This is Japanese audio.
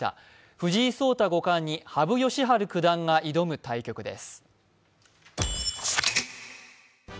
藤井聡太五冠に羽生善治九段が挑む対局です。